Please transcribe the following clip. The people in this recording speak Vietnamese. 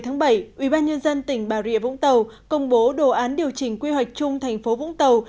ngày bảy ubnd tỉnh bà rịa vũng tàu công bố đồ án điều chỉnh quy hoạch chung thành phố vũng tàu